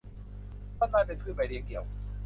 ต้นอ้อยเป็นพืชใบเลี้ยงเดี่ยว